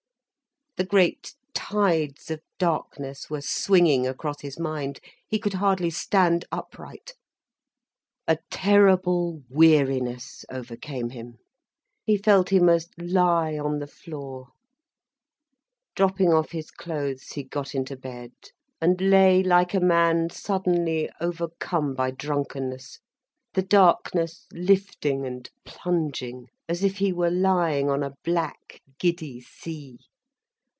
The great tides of darkness were swinging across his mind, he could hardly stand upright. A terrible weariness overcame him, he felt he must lie on the floor. Dropping off his clothes, he got into bed, and lay like a man suddenly overcome by drunkenness, the darkness lifting and plunging as if he were lying upon a black, giddy sea.